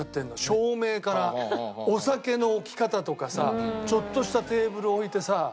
照明からお酒の置き方とかさちょっとしたテーブル置いてさ。